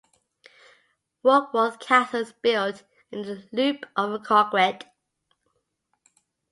Warkworth Castle is built in a loop of the Coquet.